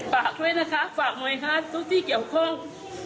ฝากด้วยนะคะฝากหน่วยงานทุกที่เกี่ยวข้อง